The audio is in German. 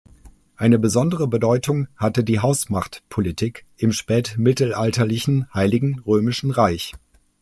Eine besondere Bedeutung hatte die Hausmachtpolitik im spätmittelalterlichen Heiligen Römischen Reich.